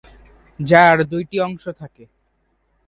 যার দুইটি অংশ থাকে।